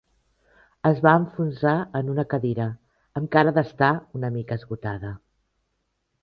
Es va enfonsar en una cadira, amb cara d'estar una mica esgotada.